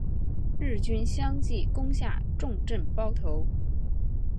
日军相继攻下重镇包头。